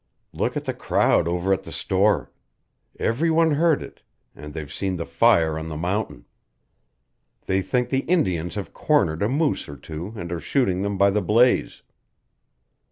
"Look at the crowd over at the store. Every one heard it, and they've seen the fire on the mountain. They think the Indians have cornered a moose or two and are shooting them by the blaze."